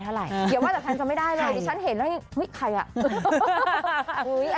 ตยังว่าแว่นจำไม่ได้เลยให้ชั้นเห็นแล้วอุ้ยใครอ่ะ